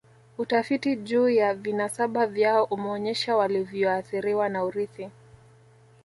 Utafiti juu ya vinasaba vyao umeonyesha walivyoathiriwa na urithi